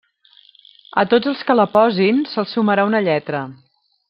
A tots els que la posin, se'ls sumarà una lletra.